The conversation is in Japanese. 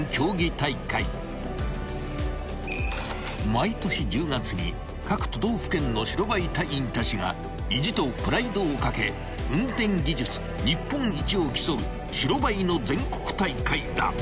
［毎年１０月に各都道府県の白バイ隊員たちが意地とプライドをかけ運転技術日本一を競う白バイの全国大会だ］